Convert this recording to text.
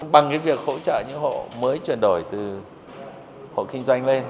bằng việc hỗ trợ những hộ mới chuyển đổi từ hộ kinh doanh lên